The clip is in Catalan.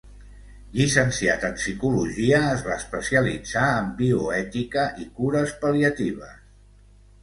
Llicenciat en psicologia, es va especialitzar en bioètica i cures pal·liatives.